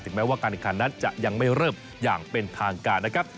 แม้ว่าการแข่งขันนั้นจะยังไม่เริ่มอย่างเป็นทางการนะครับ